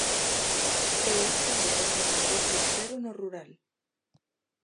É esta proposta de impostos cero no rural.